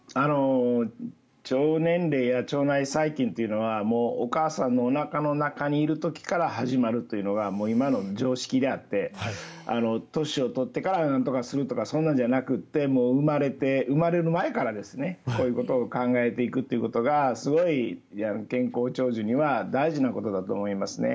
腸年齢や腸内細菌というのはお母さんのおなかの中にいる時から始まるというのが今の常識であって年を取ってからなんとかするとかそんなんじゃなくて生まれる前からこういうことを考えていくっていうことがすごい健康長寿には大事なことだと思いますね。